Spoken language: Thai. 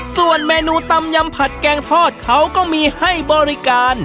ส่วนเมนูตำยำผัดแกงทอดเขาก็มีให้บริการ